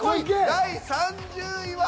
第３０位は。